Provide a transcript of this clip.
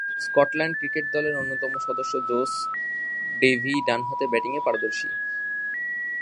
Scotland cricket দলের অন্যতম সদস্য জোশ ডেভি ডানহাতে ব্যাটিংয়ে পারদর্শী।